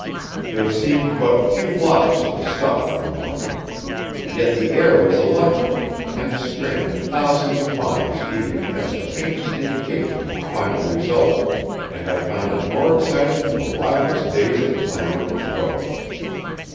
There seemed but few blocks of the stock on the market. Yet the air was electric with the tense strain of thousands of minds eager to catch the faintest indication of the final result, and I found it more exciting than the wildest days of clamor and struggle.